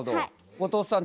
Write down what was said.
後藤さん